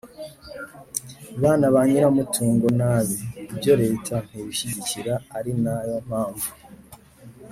bana ba nyirumutungo nabi. ibyo leta ntibishyigikira ari na yo mpamvu